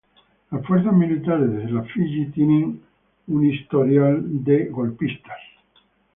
La Fuerzas Militares de Fiyi tiene una historia de intervención política.